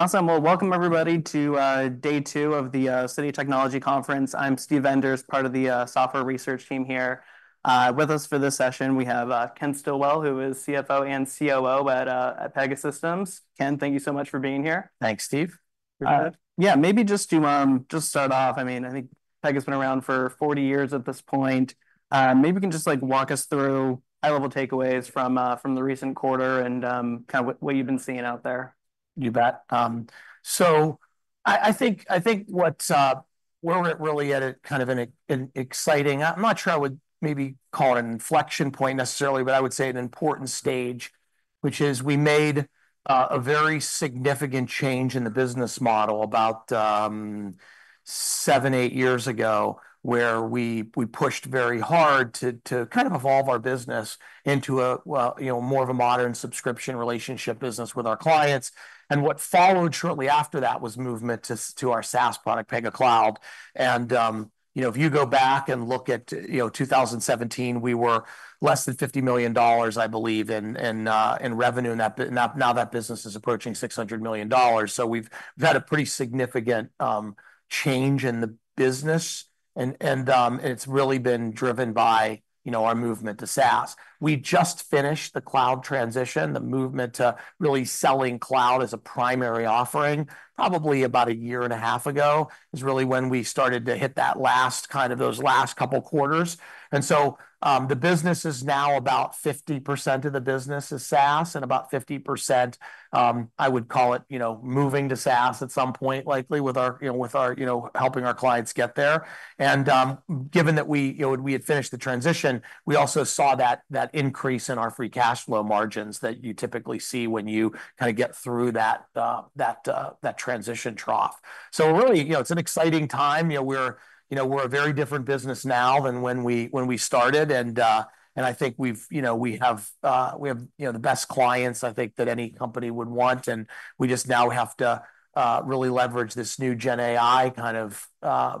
Awesome. Welcome everybody to day two of the Citi Technology Conference. I'm Steve Enders, part of the software research team here. With us for this session, we have Ken Stillwell, who is CFO and COO at Pegasystems. Ken, thank you so much for being here. Thanks, Steve. Yeah, maybe just to start off, I mean, I think Pega's been around for 40 years at this point. Maybe you can just, like, walk us through high-level takeaways from the recent quarter and kind of what you've been seeing out there. You bet. So I think what's. We're really at a kind of an exciting. I'm not sure I would maybe call it an inflection point necessarily, but I would say an important stage, which is we made a very significant change in the business model about seven, eight years ago, where we pushed very hard to kind of evolve our business into a, well, you know, more of a modern subscription relationship business with our clients. And what followed shortly after that was movement to our SaaS product, Pega Cloud. And, you know, if you go back and look at, you know, 2017, we were less than $50 million, I believe, in revenue, and that now, now that business is approaching $600 million. So we've had a pretty significant change in the business, and it's really been driven by, you know, our movement to SaaS. We just finished the cloud transition, the movement to really selling cloud as a primary offering. Probably about a year and a half ago is really when we started to hit that last, kind of, those last couple quarters. And so, the business is now about 50% of the business is SaaS, and about 50%, I would call it, you know, moving to SaaS at some point, likely with our, you know, helping our clients get there. Given that we, you know, we had finished the transition, we also saw that increase in our free cash flow margins that you typically see when you kind of get through that transition trough. Really, you know, it's an exciting time. You know, we're, you know, we're a very different business now than when we, when we started and I think you know we have you know the best clients I think that any company would want. We just now have to really leverage this new GenAI kind of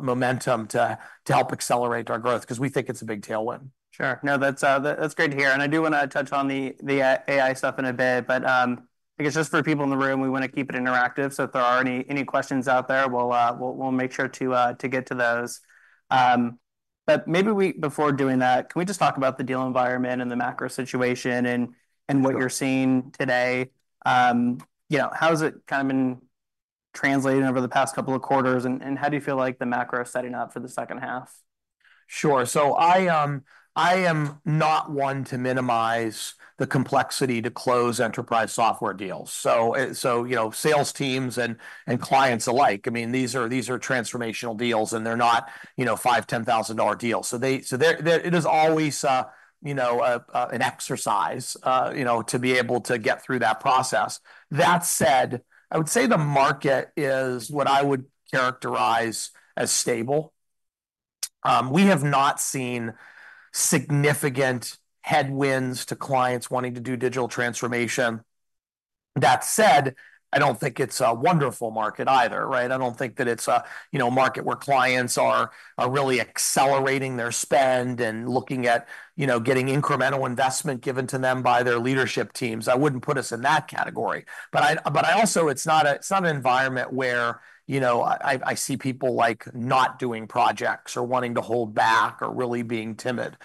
momentum to help accelerate our growth 'cause we think it's a big tailwind. Sure. No, that's great to hear, and I do wanna touch on the AI stuff in a bit. But, I guess just for people in the room, we wanna keep it interactive, so if there are any questions out there, we'll make sure to get to those. But maybe before doing that, can we just talk about the deal environment and the macro situation and what you're seeing today? You know, how has it kind of been translating over the past couple of quarters, and how do you feel like the macro is setting up for the second half? Sure. So I am not one to minimize the complexity to close enterprise software deals. So, you know, sales teams and clients alike, I mean, these are transformational deals, and they're not, you know, $5,000-$10,000 deals. So there it is always, you know, an exercise, you know, to be able to get through that process. That said, I would say the market is what I would characterize as stable. We have not seen significant headwinds to clients wanting to do digital transformation. That said, I don't think it's a wonderful market either, right? I don't think that it's a market where clients are really accelerating their spend and looking at, you know, getting incremental investment given to them by their leadership teams. I wouldn't put us in that category, but I also- it's not an environment where, you know, I see people, like, not doing projects or wanting to hold back or really being timid.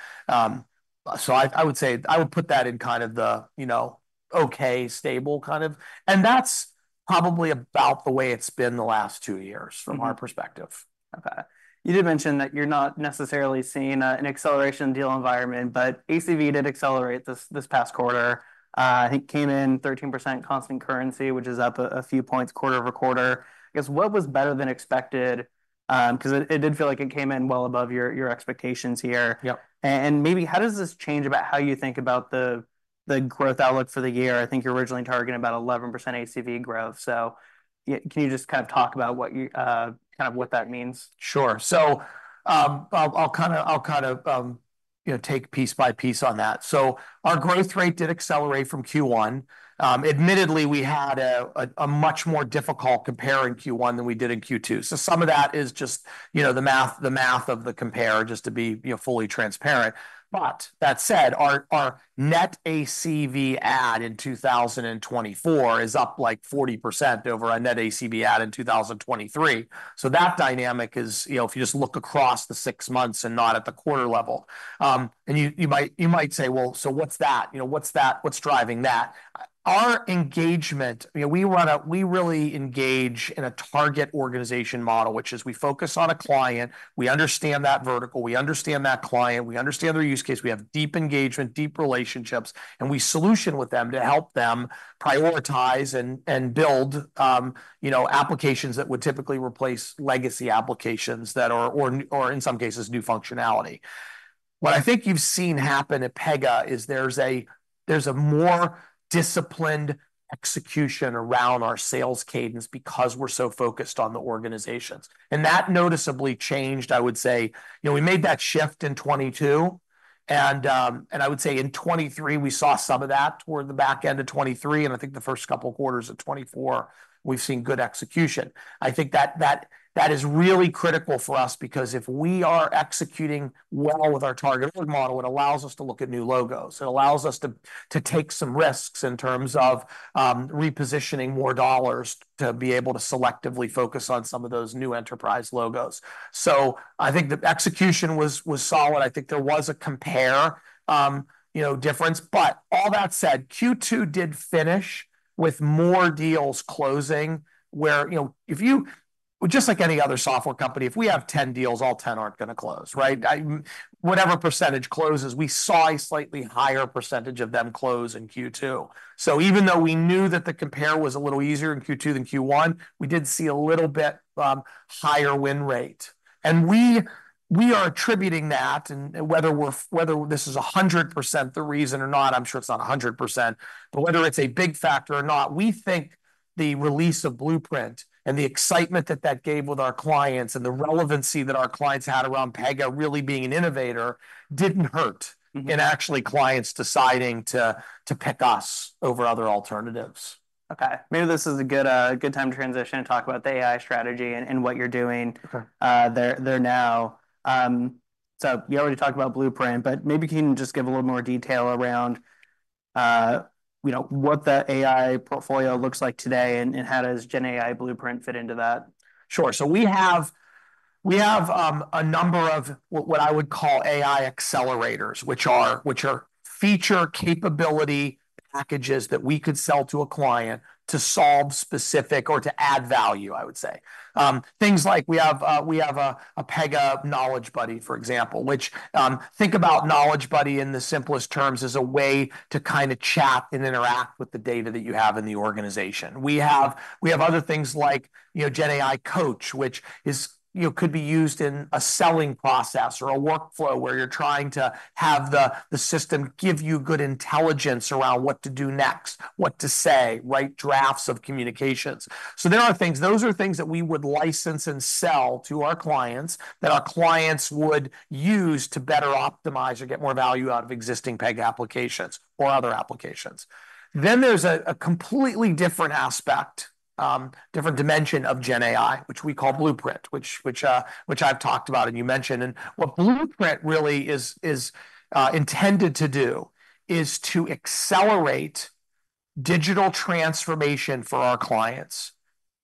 So I would say- I would put that in kind of the, you know, okay, stable kind of... And that's probably about the way it's been the last two years-... from our perspective. Okay. You did mention that you're not necessarily seeing an acceleration deal environment, but ACV did accelerate this past quarter. I think it came in 13% constant currency, which is up a few points quarter-over-quarter. I guess what was better than expected? 'Cause it did feel like it came in well above your expectations here. Yep. And maybe how does this change about how you think about the growth outlook for the year? I think you're originally targeting about 11% ACV growth. So can you just kind of talk about what you kind of what that means? Sure. So I'll kind of you know take piece by piece on that. Our growth rate did accelerate from Q1. Admittedly, we had a much more difficult compare in Q1 than we did in Q2. So some of that is just you know the math of the compare, just to be you know fully transparent. But that said, our net ACV add in 2024 is up like 40% over our net ACV add in 2023. So that dynamic is... You know, if you just look across the six months and not at the quarter level, and you might say, "Well, so what's that? You know, what's that? What's driving that?" Our engagement, you know, we really engage in a target organization model, which is we focus on a client, we understand that vertical, we understand that client, we understand their use case, we have deep engagement, deep relationships, and we solution with them to help them prioritize and build, you know, applications that would typically replace legacy applications, or in some cases, new functionality. What I think you've seen happen at Pega is there's a more disciplined execution around our sales cadence because we're so focused on the organizations, and that noticeably changed, I would say. You know, we made that shift in 2022, and I would say in 2023, we saw some of that toward the back end of 2023, and I think the first couple quarters of 2024, we've seen good execution. I think that is really critical for us because if we are executing well with our targeted model, it allows us to look at new logos. It allows us to take some risks in terms of repositioning more dollars to be able to selectively focus on some of those new enterprise logos. So I think the execution was solid. I think there was a comparable, you know, difference. But all that said, Q2 did finish with more deals closing where, you know, if you... Well, just like any other software company, if we have 10 deals, all 10 aren't going to close, right? I mean, whatever percentage closes, we saw a slightly higher percentage of them close in Q2. So even though we knew that the compare was a little easier in Q2 than Q1, we did see a little bit higher win rate. And we are attributing that, and whether this is 100% the reason or not, I'm sure it's not 100%, but whether it's a big factor or not, we think the release of Blueprint and the excitement that that gave with our clients and the relevancy that our clients had around Pega really being an innovator didn't hurt.... in actually clients deciding to pick us over other alternatives. Okay. Maybe this is a good, good time to transition and talk about the AI strategy and what you're doing- Okay So you already talked about Blueprint, but maybe can you just give a little more detail around, you know, what the AI portfolio looks like today, and how does GenAI Blueprint fit into that? Sure. So we have a number of what I would call AI accelerators, which are feature capability packages that we could sell to a client to solve specific or to add value, I would say. Things like we have a Pega Knowledge Buddy, for example, which, think about Knowledge Buddy in the simplest terms as a way to kind of chat and interact with the data that you have in the organization. We have other things like, you know, GenAI Coach, which is, you know, could be used in a selling process or a workflow where you're trying to have the system give you good intelligence around what to do next, what to say, write drafts of communications. There are things, those are things that we would license and sell to our clients that our clients would use to better optimize or get more value out of existing Pega applications or other applications. There's a completely different aspect, different dimension of GenAI, which we call Blueprint, which I've talked about, and you mentioned. What Blueprint really is intended to do is to accelerate digital transformation for our clients.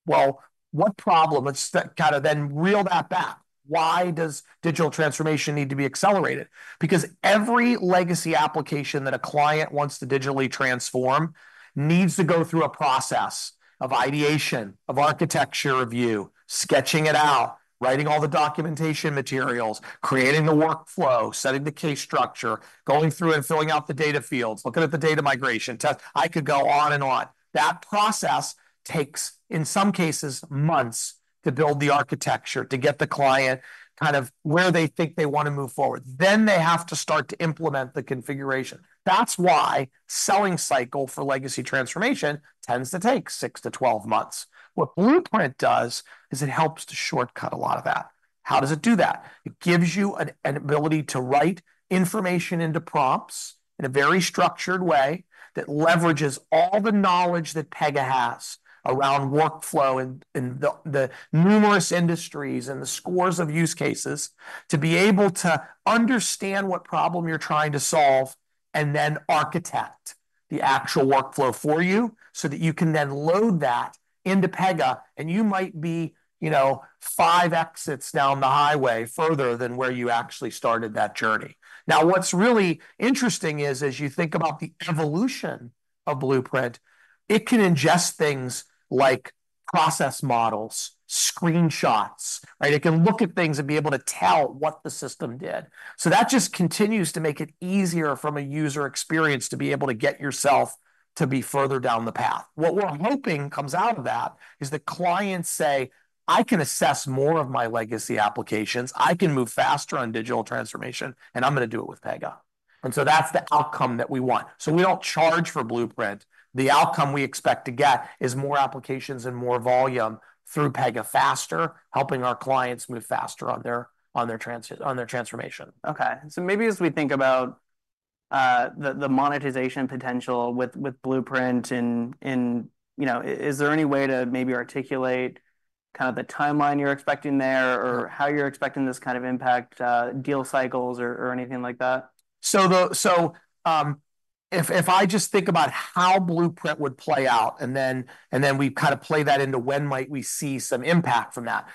Let's kind of then reel that back. Why does digital transformation need to be accelerated? Because every legacy application that a client wants to digitally transform needs to go through a process of ideation, of architecture review, sketching it out, writing all the documentation materials, creating the workflow, setting the case structure, going through and filling out the data fields, looking at the data migration test. I could go on and on. That process takes, in some cases, months to build the architecture, to get the client kind of where they think they want to move forward. Then they have to start to implement the configuration. That's why selling cycle for legacy transformation tends to take six to 12 months. What Blueprint does is it helps to shortcut a lot of that. How does it do that? It gives you an ability to write information into prompts in a very structured way that leverages all the knowledge that Pega has around workflow and the numerous industries and the scores of use cases to be able to understand what problem you're trying to solve, and then architect the actual workflow for you so that you can then load that into Pega, and you might be, you know, five exits down the highway further than where you actually started that journey. Now, what's really interesting is, as you think about the evolution of Blueprint, it can ingest things like process models, screenshots, right? It can look at things and be able to tell what the system did. So that just continues to make it easier from a user experience to be able to get yourself to be further down the path. What we're hoping comes out of that is that clients say, "I can assess more of my legacy applications. I can move faster on digital transformation, and I'm going to do it with Pega." And so that's the outcome that we want. So we don't charge for Blueprint. The outcome we expect to get is more applications and more volume through Pega faster, helping our clients move faster on their transformation. Okay, so maybe as we think about the monetization potential with Blueprint in... You know, is there any way to maybe articulate kind of the timeline you're expecting there? Sure... or how you're expecting this kind of impact, deal cycles or anything like that? So if I just think about how Blueprint would play out, and then we kind of play that into when might we see some impact from that.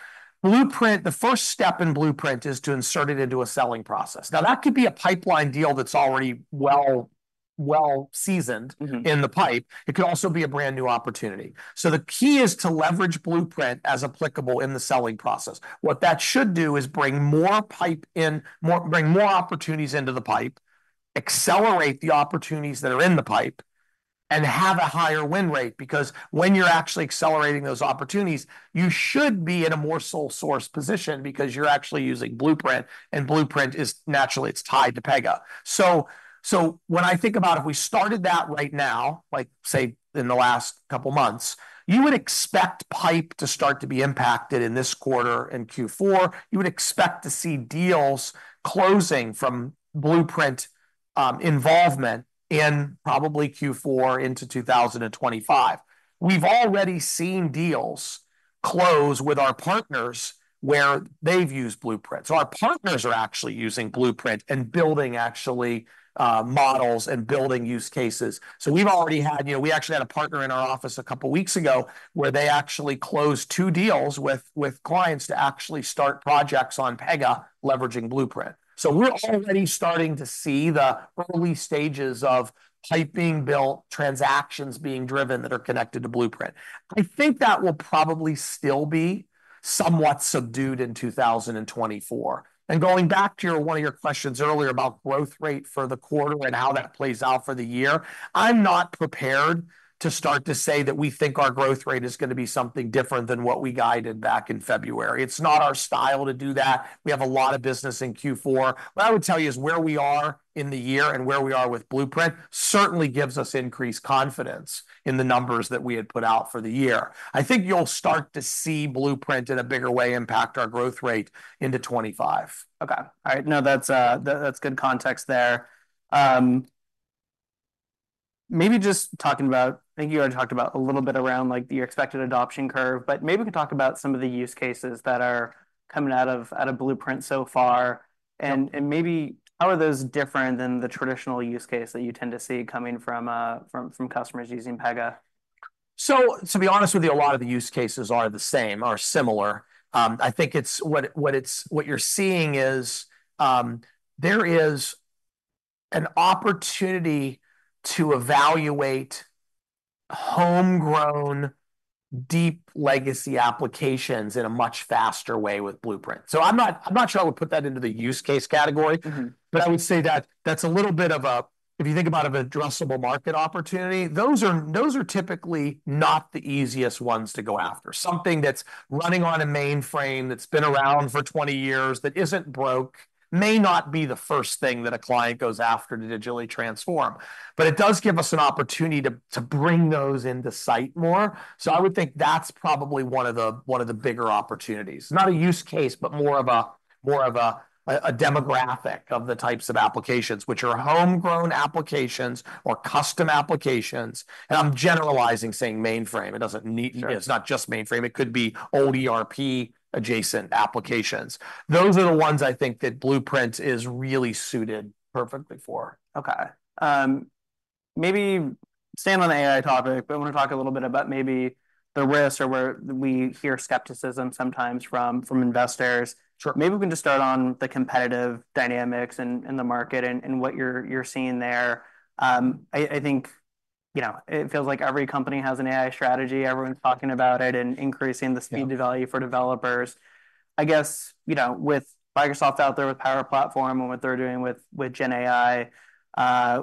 Blueprint, the first step in Blueprint is to insert it into a selling process. Now, that could be a pipeline deal that's already well-seasoned-... in the pipe. It could also be a brand-new opportunity. So the key is to leverage Blueprint as applicable in the selling process. What that should do is bring more pipe in, bring more opportunities into the pipe, accelerate the opportunities that are in the pipe, and have a higher win rate, because when you're actually accelerating those opportunities, you should be in a more sole source position because you're actually using Blueprint, and Blueprint is, naturally, it's tied to Pega. So when I think about if we started that right now, like, say, in the last couple months, you would expect pipe to start to be impacted in this quarter, in Q4. You would expect to see deals closing from Blueprint involvement in probably Q4 into 2025. We've already seen deals close with our partners where they've used Blueprint. Our partners are actually using Blueprint and building actually, models and building use cases. We've already had, you know, we actually had a partner in our office a couple weeks ago where they actually closed two deals with clients to actually start projects on Pega, leveraging Blueprint. We're already starting to see the early stages of pipe being built, transactions being driven that are connected to Blueprint. I think that will probably still be somewhat subdued in 2024. Going back to your one of your questions earlier about growth rate for the quarter and how that plays out for the year, I'm not prepared to start to say that we think our growth rate is going to be something different than what we guided back in February. It's not our style to do that. We have a lot of business in Q4. What I would tell you is where we are in the year and where we are with Blueprint certainly gives us increased confidence in the numbers that we had put out for the year. I think you'll start to see Blueprint, in a bigger way, impact our growth rate into 2025. Okay. All right. No, that's good context there. Maybe just talking about... I think you already talked about a little bit around, like, the expected adoption curve, but maybe we can talk about some of the use cases that are coming out of Blueprint so far, and maybe how are those different than the traditional use case that you tend to see coming from customers using Pega? So, to be honest with you, a lot of the use cases are the same or similar. I think it's what you're seeing is, there is an opportunity to evaluate homegrown, deep legacy applications in a much faster way with Blueprint. So I'm not, I'm not sure I would put that into the use case category. But I would say that that's a little bit of a, if you think about an addressable market opportunity, those are typically not the easiest ones to go after. Something that's running on a mainframe, that's been around for 20 years, that isn't broke, may not be the first thing that a client goes after to digitally transform, but it does give us an opportunity to bring those to light more. So I would think that's probably one of the bigger opportunities. Not a use case, but more of a demographic of the types of applications, which are homegrown applications or custom applications. And I'm generalizing saying mainframe. It doesn't nee- Sure. It's not just mainframe. It could be old ERP-adjacent applications. Those are the ones I think that Blueprint is really suited perfectly for. Okay. Maybe staying on the AI topic, but I want to talk a little bit about maybe the risks or where we hear skepticism sometimes from investors. Sure. Maybe we can just start on the competitive dynamics in the market and what you're seeing there. I think, you know, it feels like every company has an AI strategy. Everyone's talking about it and increasing the- Yeah... speed to value for developers. I guess, you know, with Microsoft out there, with Power Platform and what they're doing with GenAI,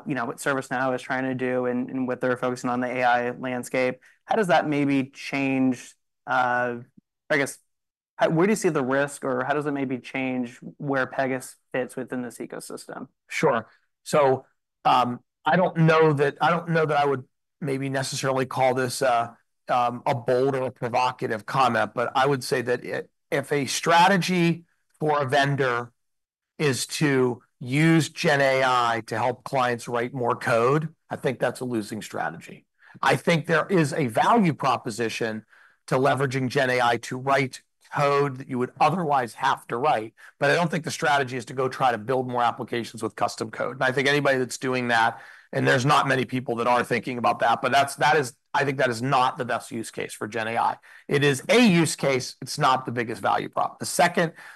you know, what ServiceNow is trying to do and what they're focusing on the AI landscape, how does that maybe change? I guess, where do you see the risk, or how does it maybe change where Pega fits within this ecosystem? Sure, so I don't know that I would maybe necessarily call this a bold or a provocative comment, but I would say that if a strategy for a vendor is to use GenAI to help clients write more code, I think that's a losing strategy. I think there is a value proposition to leveraging GenAI to write code that you would otherwise have to write, but I don't think the strategy is to go try to build more applications with custom code. And I think anybody that's doing that- Yeah... and there's not many people that are thinking about that, but that is. I think that is not the best use case for GenAI. It is a use case. It's not the biggest value prop. The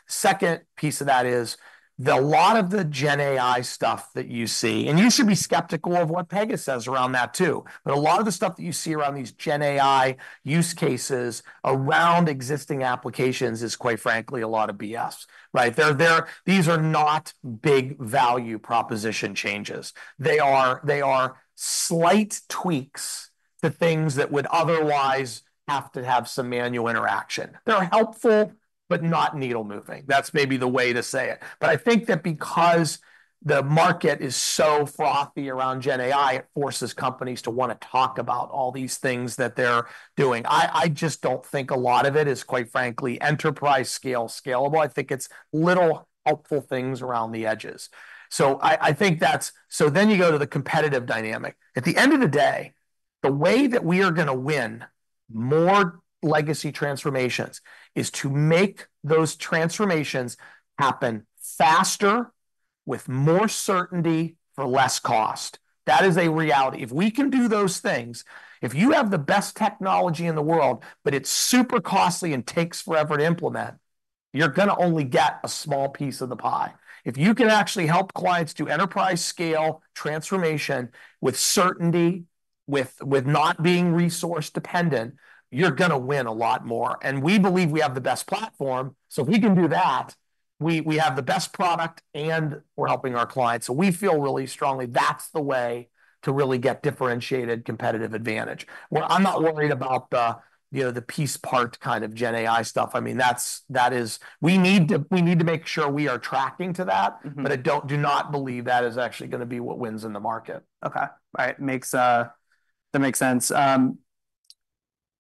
second piece of that is that a lot of the GenAI stuff that you see, and you should be skeptical of what Pega says around that too, but a lot of the stuff that you see around these GenAI use cases around existing applications is, quite frankly, a lot of BS, right? They're. These are not big value proposition changes. They are slight tweaks to things that would otherwise have to have some manual interaction. They're helpful, but not needle moving. That's maybe the way to say it. But I think that because the market is so frothy around GenAI, it forces companies to want to talk about all these things that they're doing. I just don't think a lot of it is, quite frankly, enterprise scale, scalable. I think it's little helpful things around the edges. So I think that's... So then you go to the competitive dynamic. At the end of the day, the way that we are going to win more legacy transformations is to make those transformations happen faster, with more certainty, for less cost. That is a reality. If we can do those things, if you have the best technology in the world, but it's super costly and takes forever to implement, you're going to only get a small piece of the pie. If you can actually help clients do enterprise-scale transformation with certainty, with not being resource-dependent, you're going to win a lot more. And we believe we have the best platform, so if we can do that, we have the best product, and we're helping our clients. So we feel really strongly that's the way to really get differentiated competitive advantage. I'm not worried about the, you know, the piece-part kind of GenAI stuff. I mean, that's. We need to make sure we are tracking to that-... but I do not believe that is actually going to be what wins in the market. Okay. All right, that makes sense.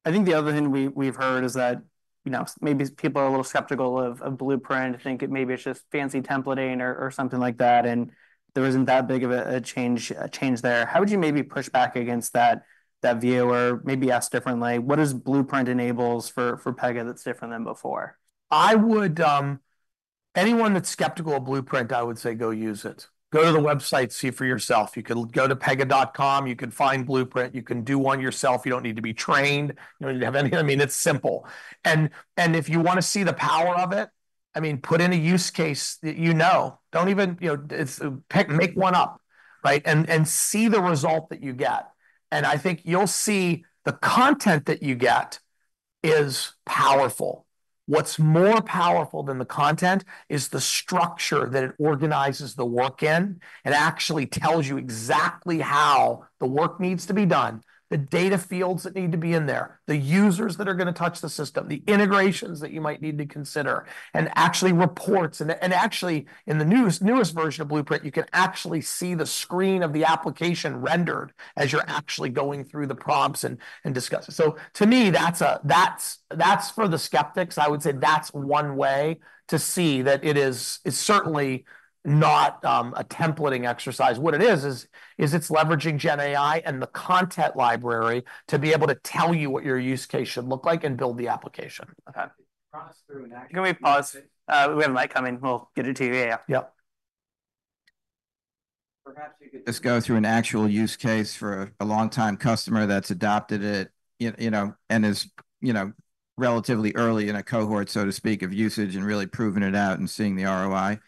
I think the other thing we've heard is that, you know, maybe people are a little skeptical of Blueprint. They think it maybe it's just fancy templating or something like that, and there isn't that big of a change there. How would you maybe push back against that view? Or maybe ask differently, what does Blueprint enables for Pega that's different than before? I would anyone that's skeptical of Blueprint, I would say go use it. Go to the website, see for yourself. You could go to pega.com. You can find Blueprint, you can do one yourself. You don't need to be trained. You don't need to have any I mean, it's simple. And if you wanna see the power of it, I mean, put in a use case that you know. Don't even, you know, it's pick, make one up, right? And see the result that you get, and I think you'll see the content that you get is powerful. What's more powerful than the content is the structure that it organizes the work in, and actually tells you exactly how the work needs to be done, the data fields that need to be in there, the users that are gonna touch the system, the integrations that you might need to consider, and actually reports. And actually, in the newest version of Blueprint, you can actually see the screen of the application rendered as you're actually going through the prompts and discuss it. So to me, that's for the skeptics. I would say that's one way to see that it is... it's certainly not a templating exercise. What it is, is it's leveraging GenAI and the content library to be able to tell you what your use case should look like, and build the application. Okay. Walk us through an actual- Can we pause? We have a mic coming. We'll get it to you. Yeah. Yep. Perhaps you could just go through an actual use case for a long-time customer that's adopted it, you know, and is, you know, relatively early in a cohort, so to speak, of usage, and really proving it out, and seeing the ROI.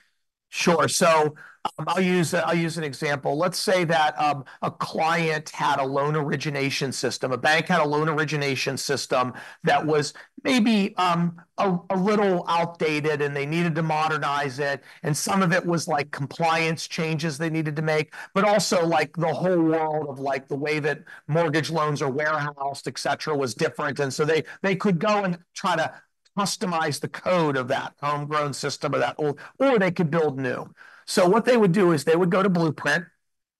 Sure. So, I'll use an example. Let's say that a client had a loan origination system, a bank had a loan origination system that was maybe a little outdated, and they needed to modernize it, and some of it was, like, compliance changes they needed to make, but also, like, the whole world of, like, the way that mortgage loans are warehoused, et cetera, was different. And so they could go and try to customize the code of that homegrown system or they could build new. So what they would do is they would go to Blueprint.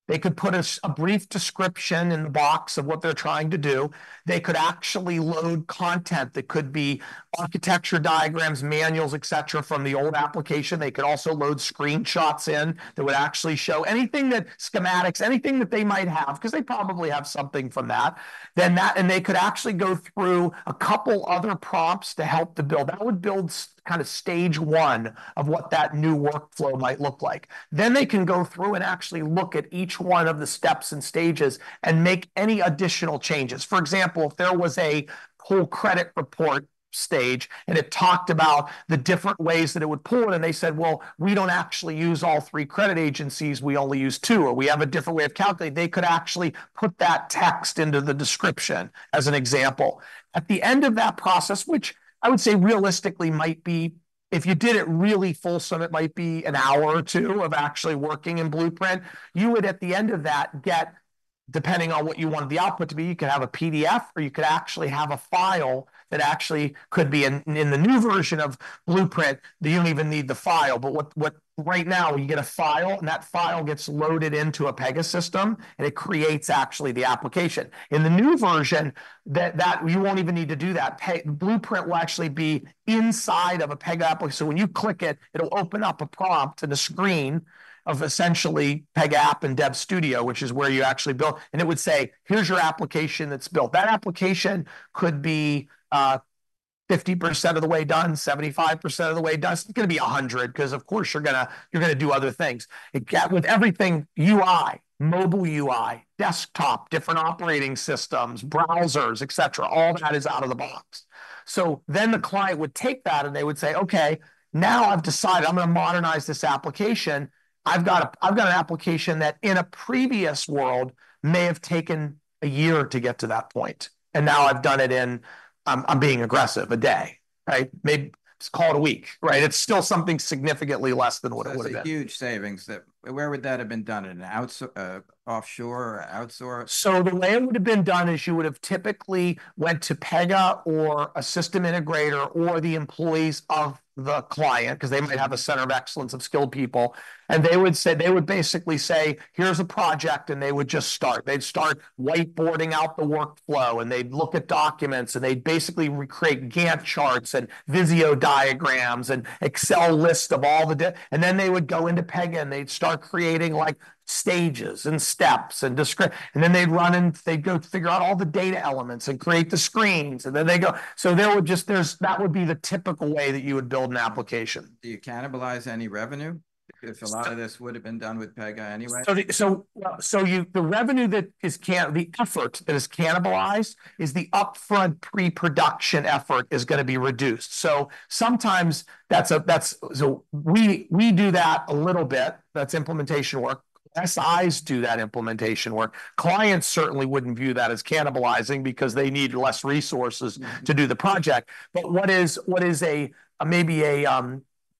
They could put a brief description in the box of what they're trying to do. They could actually load content that could be architecture diagrams, manuals, et cetera, from the old application. They could also load screenshots in that would actually show anything that... schematics, anything that they might have, 'cause they probably have something from that. Then that, and they could actually go through a couple other prompts to help to build. That would build kind of stage one of what that new workflow might look like. Then they can go through and actually look at each one of the steps and stages, and make any additional changes. For example, if there was a whole credit report stage and it talked about the different ways that it would pull, and they said, "Well, we don't actually use all three credit agencies, we only use two, or we have a different way of calculating," they could actually put that text into the description, as an example. At the end of that process, which I would say realistically might be, if you did it really fulsome, it might be an hour or two of actually working in Blueprint, you would, at the end of that, get, depending on what you wanted the output to be, you could have a PDF, or you could actually have a file that actually could be in the new version of Blueprint, that you don't even need the file. But what... Right now, you get a file, and that file gets loaded into a Pega system, and it creates, actually, the application. In the new version, that you won't even need to do that. Pega Blueprint will actually be inside of a Pega app. So when you click it, it'll open up a prompt and a screen of essentially Pega App and Dev Studio, which is where you actually build, and it would say, "Here's your application that's built." That application could be, 50% of the way done, 75% of the way done. It's gonna be 100, 'cause of course you're gonna, you're gonna do other things. It got, with everything UI, mobile UI, desktop, different operating systems, browsers, et cetera, all that is out of the box. So then the client would take that, and they would say, "Okay, now I've decided I'm gonna modernize this application. I've got a, I've got an application that, in a previous world, may have taken a year to get to that point, and now I've done it in, I'm, I'm being aggressive, a day," right? Maybe, let's call it a week, right? It's still something significantly less than what it would've been. So it's a huge savings that... Where would that have been done, in an offshore or outsource? So the way it would've been done is you would've typically went to Pega or a system integrator, or the employees of the client, 'cause they might have a center of excellence of skilled people, and they would say, they would basically say, "Here's a project," and they would just start. They'd start whiteboarding out the workflow, and they'd look at documents, and they'd basically create Gantt charts, and Visio diagrams, and Excel list of all the. And then they would go into Pega, and they'd start creating, like, stages, and steps, and. And then they'd run, and they'd go figure out all the data elements, and create the screens, and then they'd go. So there would just, that would be the typical way that you would build an application. Do you cannibalize any revenue? 'Cause a lot of this would've been done with Pega anyway. So, the effort that is cannibalized is the upfront pre-production effort is gonna be reduced. Sometimes that's implementation work. We do that a little bit. That's implementation work. SIs do that implementation work. Clients certainly wouldn't view that as cannibalizing, because they need less resources.... to do the project. But what is maybe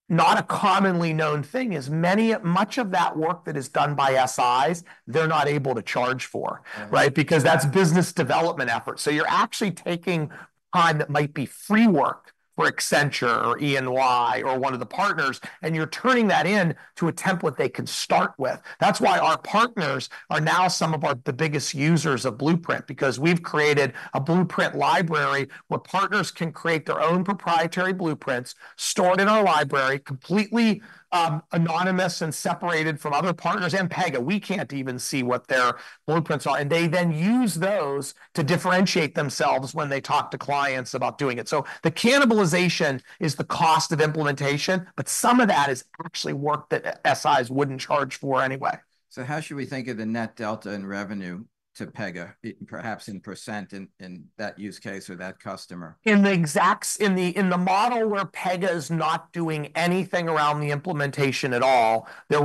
not a commonly known thing is much of that work that is done by SIs, they're not able to charge for-... right? Because that's business development effort. So you're actually taking time that might be free work for Accenture, or EY, or one of the partners, and you're turning that in to a template they can start with. That's why our partners are now some of our, the biggest users of Blueprint, because we've created a Blueprint library where partners can create their own proprietary Blueprints, store it in our library, completely, anonymous and separated from other partners. And Pega, we can't even see what their Blueprints are, and they then use those to differentiate themselves when they talk to clients about doing it. So the cannibalization is the cost of implementation, but some of that is actually work that, SIs wouldn't charge for anyway. So how should we think of the net delta in revenue to Pega, perhaps in percent, in that use case or that customer? In the model where Pega is not doing anything around the implementation at all, the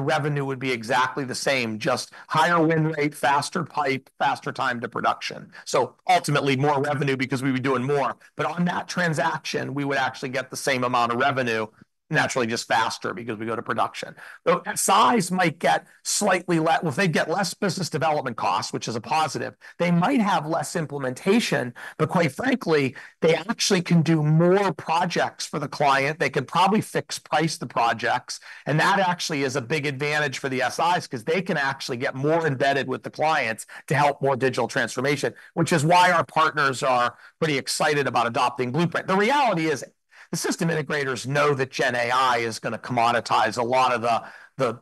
revenue would be exactly the same, just higher win rate, faster pipe, faster time to production, so ultimately more revenue, because we'd be doing more, but on that transaction, we would actually get the same amount of revenue, naturally just faster because we go to production. The size might get slightly less, well, they get less business development costs, which is a positive. They might have less implementation, but quite frankly, they actually can do more projects for the client. They can probably fixed price the projects, and that actually is a big advantage for the SIs, 'cause they can actually get more embedded with the clients to help more digital transformation, which is why our partners are pretty excited about adopting Blueprint. The reality is, the system integrators know that GenAI is going to commoditize a lot of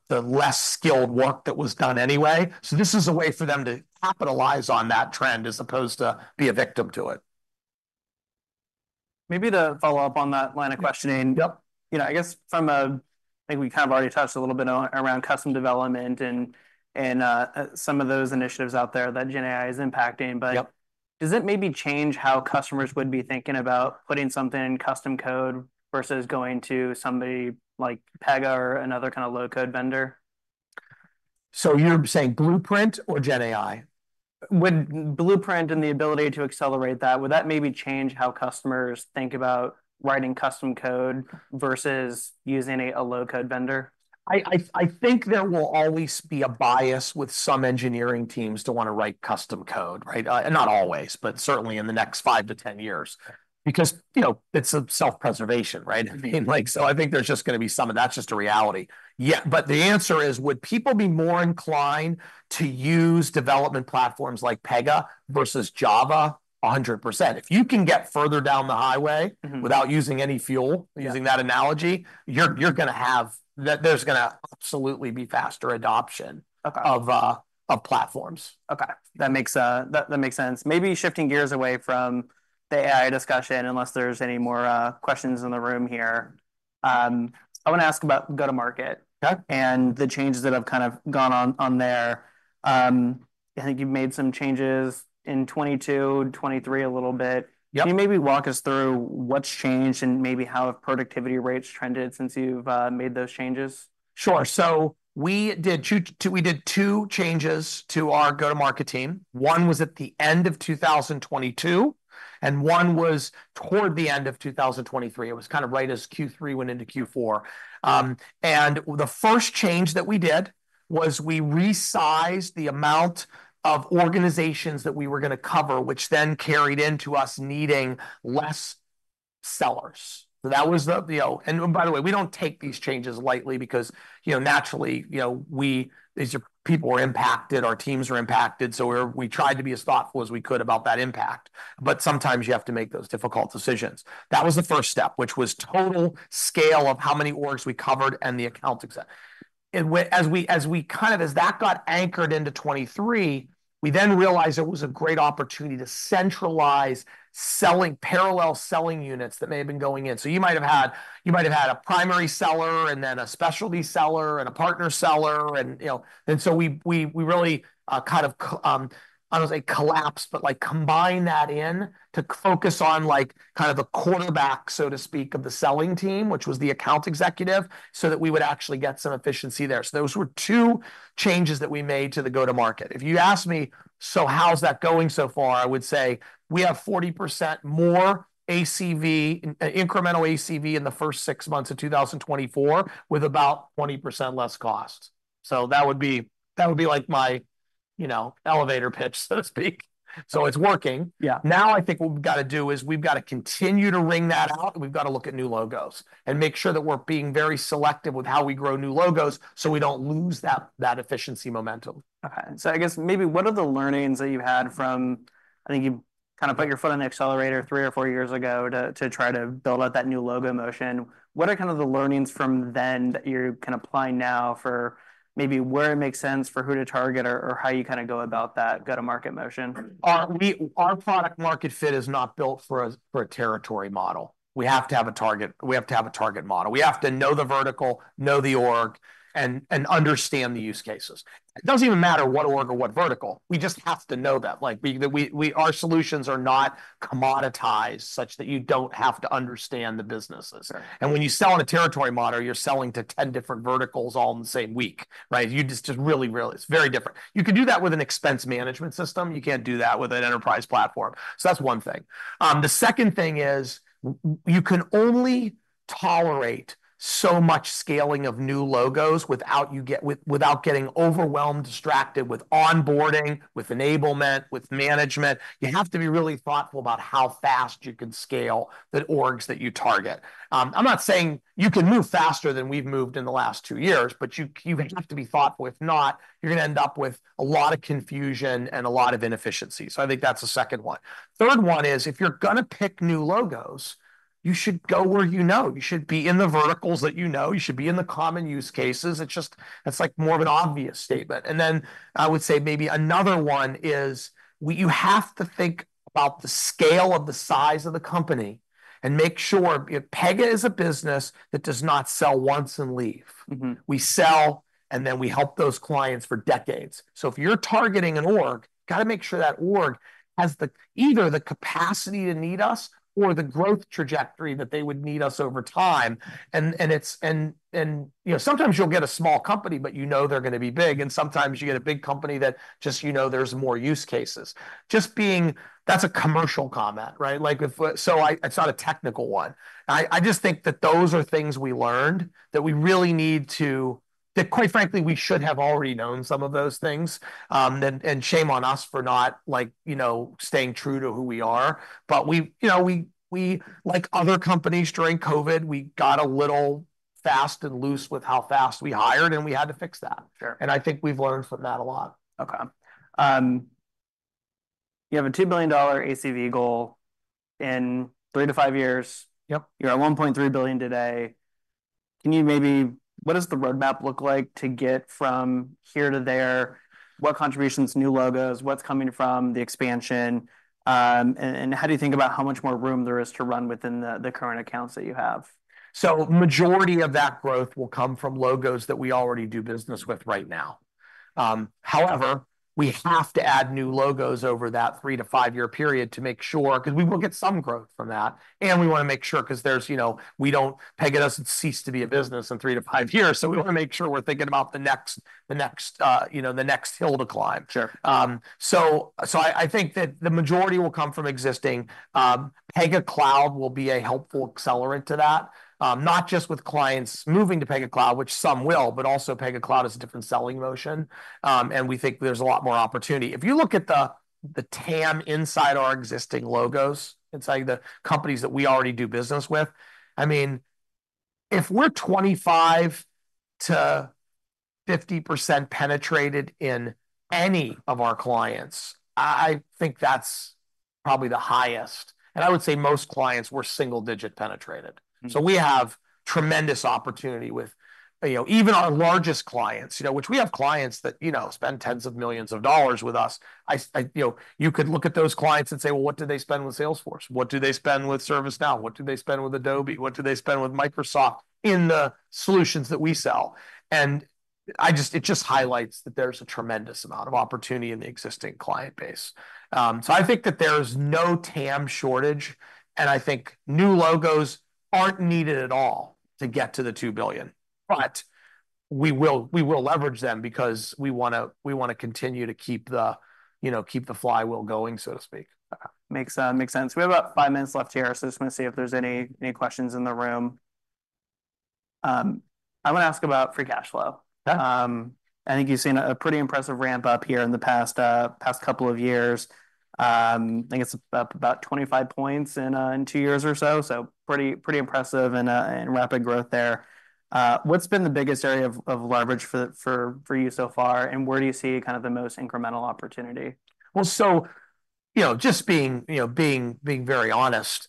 the less skilled work that was done anyway, so this is a way for them to capitalize on that trend as opposed to be a victim to it. Maybe to follow up on that line of questioning- Yep. You know, I guess from a, I think we kind of already touched a little bit on around custom development and some of those initiatives out there that GenAI is impacting, but- Yep... does it maybe change how customers would be thinking about putting something in custom code versus going to somebody like Pega or another kind of low-code vendor? So you're saying Blueprint or GenAI? Would Blueprint and the ability to accelerate that, would that maybe change how customers think about writing custom code versus using a low-code vendor? I think there will always be a bias with some engineering teams to want to write custom code, right? And not always, but certainly in the next five to ten years. Because, you know, it's a self-preservation, right? I mean, like, so I think there's just going to be some of that, just a reality. Yeah, but the answer is, would people be more inclined to use development platforms like Pega versus Java? 100%. If you can get further down the highway-... without using any fuel- Yeah... using that analogy, you're going to have, there's going to absolutely be faster adoption. Okay... of platforms. Okay, that makes sense. Maybe shifting gears away from the AI discussion, unless there's any more questions in the room here, I want to ask about go-to-market- Okay... and the changes that have kind of gone on, on there. I think you've made some changes in 2022, 2023 a little bit. Yep. Can you maybe walk us through what's changed and maybe how have productivity rates trended since you've made those changes? Sure. So we did two changes to our go-to-market team. One was at the end of 2022, and one was toward the end of 2023. It was kind of right as Q3 went into Q4. And the first change that we did was we resized the amount of organizations that we were going to cover, which then carried into us needing less sellers. So that was you know. And by the way, we don't take these changes lightly because you know naturally you know we these are people were impacted, our teams were impacted, so we tried to be as thoughtful as we could about that impact, but sometimes you have to make those difficult decisions. That was the first step, which was total scale of how many orgs we covered and the account exec. And whereas we, as we kind of as that got anchored into 2023, we then realized it was a great opportunity to centralize selling, parallel selling units that may have been going in. So you might have had, you might have had a primary seller, and then a specialty seller, and a partner seller, and, you know. And so we really kind of, I don't want to say collapsed, but, like, combined that into focus on, like, kind of the quarterback, so to speak, of the selling team, which was the account executive, so that we would actually get some efficiency there. So those were two changes that we made to the go-to-market. If you ask me, "So how's that going so far?" I would say, "We have 40% more ACV, incremental ACV in the first six months of 2024, with about 20% less cost." So that would be, that would be, like, my, you know, elevator pitch, so to speak. So it's working. Yeah. Now, I think what we've got to do is we've got to continue to wring that out, and we've got to look at new logos and make sure that we're being very selective with how we grow new logos so we don't lose that, that efficiency momentum. Okay. So I guess maybe what are the learnings that you had from, I think you kind of put your foot on the accelerator three or four years ago to, to try to build out that new logo motion? What are kind of the learnings from then that you're kind of applying now for maybe where it makes sense, for who to target or, or how you kind of go about that go-to-market motion? Our product market fit is not built for a territory model. We have to have a target, we have to have a target model. We have to know the vertical, know the org, and understand the use cases. It doesn't even matter what org or what vertical, we just have to know them, like our solutions are not commoditized such that you don't have to understand the businesses. Right. And when you sell on a territory model, you're selling to 10 different verticals all in the same week, right? You just, just really, really... It's very different. You can do that with an expense management system, you can't do that with an enterprise platform. So that's one thing. The second thing is, you can only tolerate so much scaling of new logos without getting overwhelmed, distracted with onboarding, with enablement, with management. You have to be really thoughtful about how fast you can scale the orgs that you target. I'm not saying you can move faster than we've moved in the last two years, but you, you have to be thoughtful. If not, you're going to end up with a lot of confusion and a lot of inefficiencies. So I think that's the second one. Third one is, if you're going to pick new logos, you should go where you know. You should be in the verticals that you know. You should be in the common use cases. It's just, that's, like, more of an obvious statement. And then I would say maybe another one is, you have to think about the scale of the size of the company and make sure. You know, Pega is a business that does not sell once and leave. We sell, and then we help those clients for decades. So if you're targeting an org, got to make sure that org has either the capacity to need us or the growth trajectory that they would need us over time. And it's, you know, sometimes you'll get a small company, but you know they're going to be big, and sometimes you get a big company that just, you know there's more use cases. Just being. That's a commercial comment, right? Like, so it's not a technical one. I just think that those are things we learned that we really need to, that quite frankly, we should have already known some of those things. And shame on us for not, like, you know, staying true to who we are. But we, you know, like other companies during COVID, we got a little fast and loose with how fast we hired, and we had to fix that. Sure. I think we've learned from that a lot. Okay. You have a $2 billion ACV goal in three to five years. Yep. You're at $1.3 billion today. Can you maybe, what does the roadmap look like to get from here to there? What contributions, new logos, what's coming from the expansion? And how do you think about how much more room there is to run within the current accounts that you have? So majority of that growth will come from logos that we already do business with right now. However, we have to add new logos over that three to five-year period to make sure... 'Cause we will get some growth from that, and we want to make sure, 'cause there's, you know, we don't, Pega doesn't cease to be a business in three to five years, so we want to make sure we're thinking about the next, you know, the next hill to climb. Sure. I think that the majority will come from existing. Pega Cloud will be a helpful accelerant to that, not just with clients moving to Pega Cloud, which some will, but also Pega Cloud is a different selling motion. We think there's a lot more opportunity. If you look at the TAM inside our existing logos, inside the companies that we already do business with, I mean, if we're 25%-50% penetrated in any of our clients, I think that's probably the highest, and I would say most clients we're single-digit penetrated. We have tremendous opportunity with, you know, even our largest clients, you know, which we have clients that, you know, spend tens of millions of dollars with us. I, you know, you could look at those clients and say: Well, what do they spend with Salesforce? What do they spend with ServiceNow? What do they spend with Adobe? What do they spend with Microsoft in the solutions that we sell? And I just, it just highlights that there's a tremendous amount of opportunity in the existing client base. So I think that there's no TAM shortage, and I think new logos aren't needed at all to get to the $2 billion. But we will, we will leverage them because we want to, we want to continue to keep the, you know, keep the flywheel going, so to speak. Okay. Makes sense. We have about five minutes left here, so just want to see if there's any questions in the room. I'm going to ask about free cash flow. Yeah. I think you've seen a pretty impressive ramp-up here in the past couple of years. I think it's up about 25 points in two years or so, so pretty impressive and rapid growth there. What's been the biggest area of leverage for you so far, and where do you see kind of the most incremental opportunity? You know, just being very honest,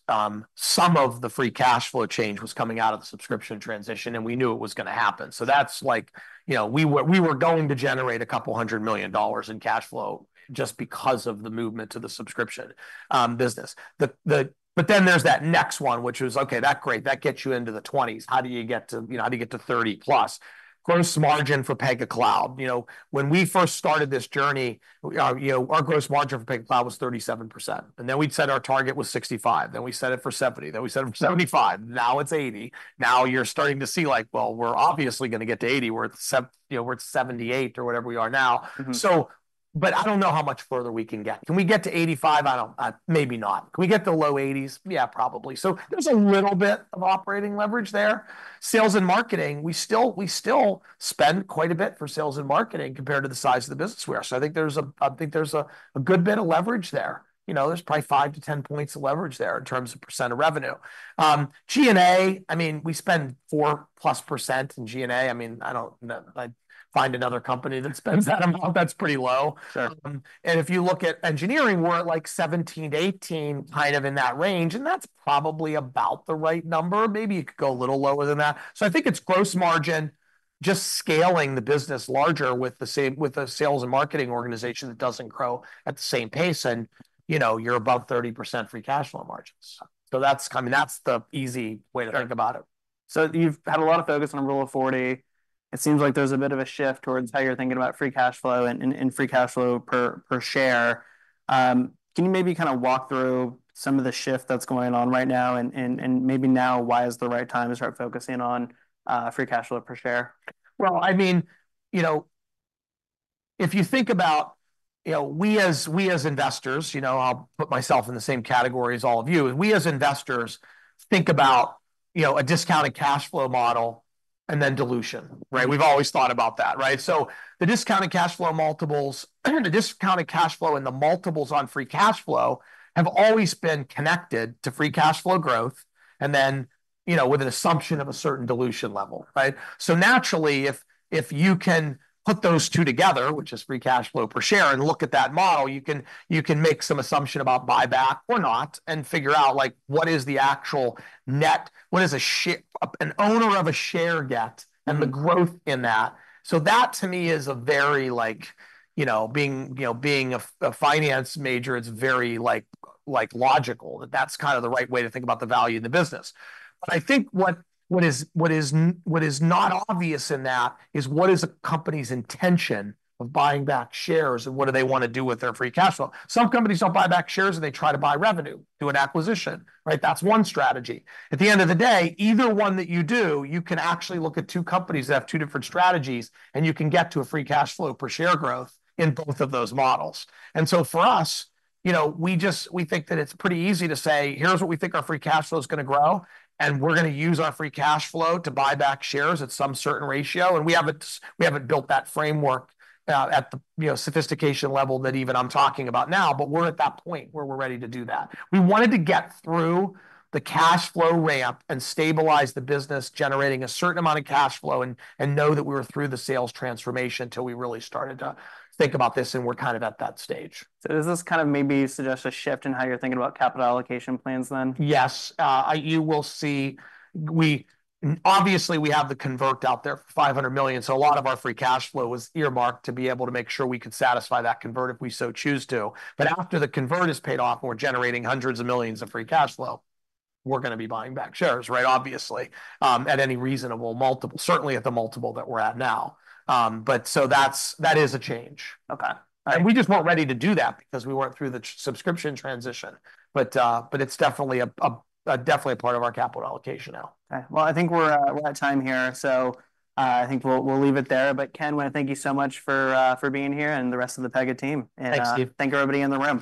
some of the free cash flow change was coming out of the subscription transition, and we knew it was going to happen. That's like, you know, we were going to generate $200 million in cash flow just because of the movement to the subscription business. But then there's that next one, which was, okay, that great, that gets you into the 20s. How do you get to, you know, how do you get to 30+? Gross margin for Pega Cloud. You know, when we first started this journey, our gross margin for Pega Cloud was 37%, and then we'd set our target was 65, then we set it for 70, then we set it for 75, now it's 80. Now you're starting to see, like, well, we're obviously going to get to eighty. We're at seventy- you know, we're at seventy-eight or whatever we are now. So, but I don't know how much further we can get. Can we get to 85? I don't, maybe not. Can we get to low 80s? Yeah, probably. So there's a little bit of operating leverage there. Sales and marketing, we still spend quite a bit for sales and marketing compared to the size of the business we are. So I think there's a good bit of leverage there. You know, there's probably 5-10 points of leverage there in terms of percent of revenue. G&A, I mean, we spend 4%+ in G&A. I mean, I don't, like, find another company that spends that amount. That's pretty low. Sure. And if you look at engineering, we're at, like, 17-18, kind of in that range, and that's probably about the right number. Maybe you could go a little lower than that. So I think it's gross margin, just scaling the business larger with the same sales and marketing organization that doesn't grow at the same pace, and, you know, you're above 30% free cash flow margins. So that's, I mean, that's the easy way to think about it. Sure. So you've had a lot of focus on Rule of 40. It seems like there's a bit of a shift towards how you're thinking about free cash flow and free cash flow per share. Can you maybe kind of walk through some of the shift that's going on right now, and maybe now why is the right time to start focusing on free cash flow per share? I mean, you know, if you think about, you know, we as, we as investors, you know, I'll put myself in the same category as all of you. We as investors think about, you know, a discounted cash flow model and then dilution, right? We've always thought about that, right? So the discounted cash flow multiples, the discounted cash flow and the multiples on free cash flow have always been connected to free cash flow growth and then, you know, with an assumption of a certain dilution level, right? So naturally, if, if you can put those two together, which is free cash flow per share, and look at that model, you can, you can make some assumption about buyback or not and figure out, like, what is the actual net, what does a share—an owner of a share get-... and the growth in that. So that, to me, is a very, like, you know, being a finance major, it's very, like, logical, that that's kind of the right way to think about the value of the business. But I think what is not obvious in that is, what is a company's intention of buying back shares, and what do they want to do with their free cash flow? Some companies don't buy back shares, and they try to buy revenue, do an acquisition, right? That's one strategy. At the end of the day, either one that you do, you can actually look at two companies that have two different strategies, and you can get to a free cash flow per share growth in both of those models. And so for us, you know, we just, we think that it's pretty easy to say: Here's what we think our free cash flow is going to grow, and we're going to use our free cash flow to buy back shares at some certain ratio. And we haven't built that framework at the, you know, sophistication level that even I'm talking about now, but we're at that point where we're ready to do that. We wanted to get through the cash flow ramp and stabilize the business, generating a certain amount of cash flow and know that we were through the sales transformation till we really started to think about this, and we're kind of at that stage. So does this kind of maybe suggest a shift in how you're thinking about capital allocation plans then? Yes. You will see we obviously have the convert out there, $500 million, so a lot of our free cash flow is earmarked to be able to make sure we could satisfy that convert, if we so choose to. But after the convert is paid off, and we're generating hundreds of millions of free cash flow, we're going to be buying back shares, right? Obviously, at any reasonable multiple, certainly at the multiple that we're at now. But so that's, that is a change. Okay. And we just weren't ready to do that because we weren't through the subscription transition. But it's definitely a part of our capital allocation now. Okay, well, I think we're at time here, so I think we'll leave it there. But Ken, want to thank you so much for being here and the rest of the Pega team. Thanks, Steve. Thank everybody in the room.